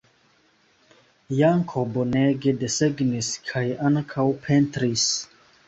Janko bonege desegnis kaj ankaŭ pentris.